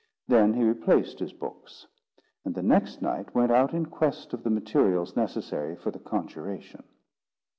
Then he replaced his books; and the next night went out in quest of the materials necessary for the conjuration.